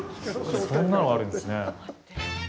そんなのがあるんですね。